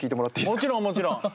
もちろんもちろん！